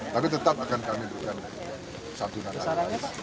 tapi tetap akan kami berikan santunan